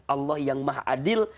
allah yang maha adil